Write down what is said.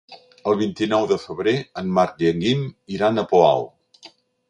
El vint-i-nou de febrer en Marc i en Guim iran al Poal.